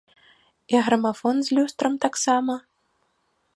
І грамафон з люстрам таксама?